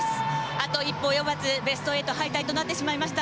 あと一歩及ばず、ベスト８敗退となってしまいました。